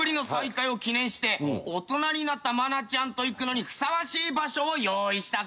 大人になった愛菜ちゃんと行くのにふさわしい場所を用意したぞ！